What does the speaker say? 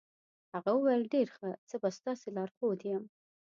هغه وویل ډېر ښه، زه به ستاسې لارښود یم.